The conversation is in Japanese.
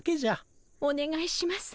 おねがいします。